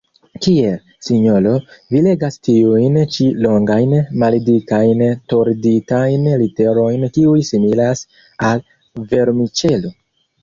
Kiel, sinjoro, vi legas tiujn ĉi longajn, maldikajn torditajn literojn kiuj similas al vermiĉelo?